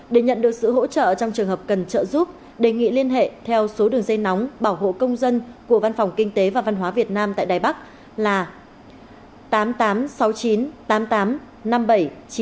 để nhận được sự hỗ trợ trong trường hợp cần trợ giúp đề nghị liên hệ theo số đường dây nóng bảo hộ công dân của văn phòng kinh tế và văn hóa việt nam tại đài bắc là